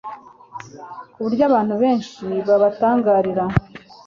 ku buryo abantu benshi babatangarira